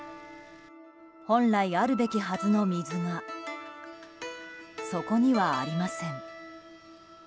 本来あるべきはずの水がそこにはありません。